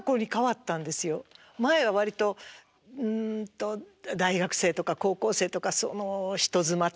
前は割とうんと大学生とか高校生とかその人妻とか。